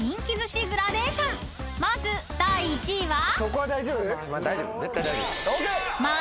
［まず第１位は？］